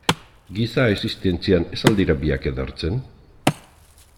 Giza existentzian, ez al dira biak edertzen?